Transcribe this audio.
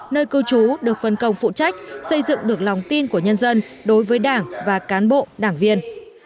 nơi cư trú được phân công phụ trách xây dựng được lòng tin của nhân dân đối với đảng và cán bộ đảng viên